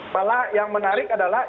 pala yang menarik adalah